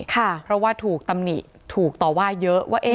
เพราะว่าถูกตำหนิถูกต่อว่าเยอะว่า